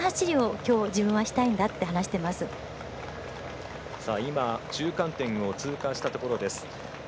今、中間点を通過したところです。